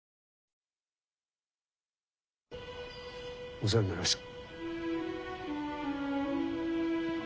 お世話になりました。